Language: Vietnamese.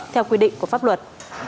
theo quy định của pháp luật